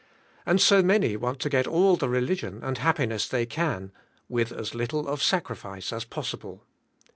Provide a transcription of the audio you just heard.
And so many want to get all the religion and happiness they can with as 194 THE SPIRITUAL WFB. \ little of sacrifice as possible.